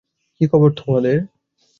কি খবর তোমাদের?